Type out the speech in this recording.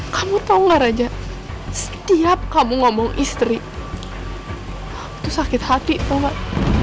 kamu tau gak raja setiap kamu ngomong istri itu sakit hati tau gak